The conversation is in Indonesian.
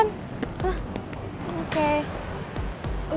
ya udah van